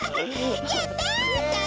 やった！